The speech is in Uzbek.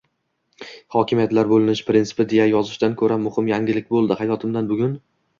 hokimiyatlar bo‘linish prinsipi deya yozishdan ko‘ra muhim yangilik bo‘ldi hayotimda bugun.